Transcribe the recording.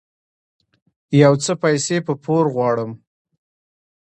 يو څه پيسې په پور غواړم